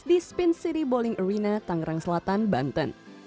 di spins city bowling arena tangerang selatan banten